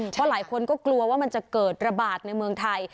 เพราะหลายคนก็กลัวว่ามันจะเกิดระบาดในเมืองไทย